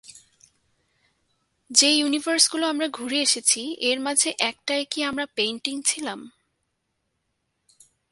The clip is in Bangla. যে ইউনিভার্সগুলো আমরা ঘুরে এসেছে, এর মাঝে একটায় কি আমরা পেইন্টিং ছিলাম?